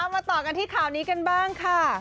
มาต่อกันที่ข่าวนี้กันบ้างค่ะ